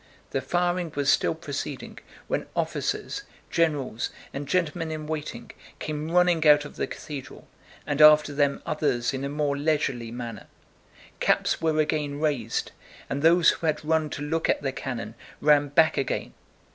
The firing was still proceeding when officers, generals, and gentlemen in waiting came running out of the cathedral, and after them others in a more leisurely manner: caps were again raised, and those who had run to look at the cannon ran back again.